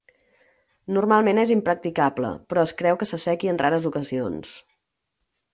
Normalment és impracticable, però es creu que s'assequi en rares ocasions.